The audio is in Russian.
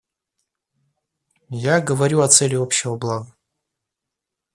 Я говорю о цели общего блага.